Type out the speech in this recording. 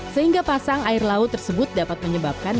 sehingga pasang air laut tersebut dapat menyebabkan